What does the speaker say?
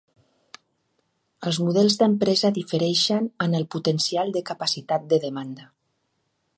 Els models d'empresa difereixen en el potencial de capacitat de demanda.